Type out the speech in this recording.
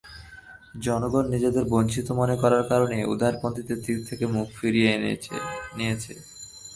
জনগণ নিজেদের বঞ্চিত মনে করার কারণে উদারপন্থীদের দিক থেকে মুখ ফিরিয়ে নিয়েছে।